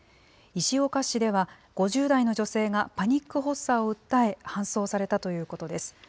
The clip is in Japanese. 石岡市では、５０代の女性がパニック発作を訴え、搬送されたということです。